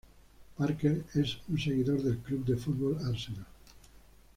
Parker es un seguidor del club de fútbol Arsenal.